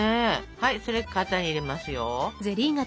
はいそれ型に入れますよ。